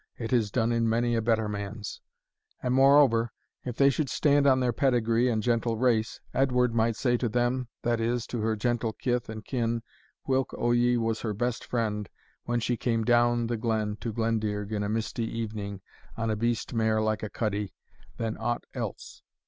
it has done in many a better man's And, moreover, if they should stand on their pedigree and gentle race, Edward might say to them, that is, to her gentle kith and kin, 'whilk o' ye was her best friend, when she came down the glen to Glendearg in a misty evening, on a beast mair like a cuddie than aught else?'